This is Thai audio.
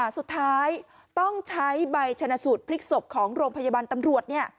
สุดท้ายต้องใช้ใบชนะสูตรพลิกศพของโรงพยาบาลตำรวจ